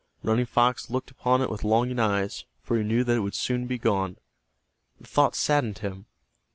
Running Fox looked upon it with longing eyes, for he knew that it would soon be gone. The thought saddened him.